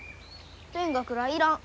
勉学らあいらん。